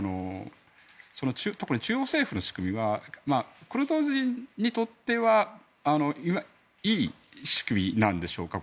特に中央政府の仕組みはクルド人にとってはいい仕組みなんでしょうか。